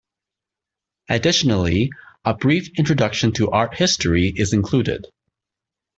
Additionally, a brief introduction to art history is included.